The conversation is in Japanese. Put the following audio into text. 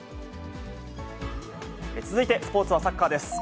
続いてスポーツはサッカーです。